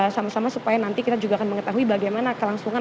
sama sama supaya nanti kita juga akan mengetahui bagaimana kelangsungan